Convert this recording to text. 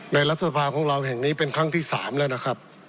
รัฐสภาของเราแห่งนี้เป็นครั้งที่๓แล้วนะครับ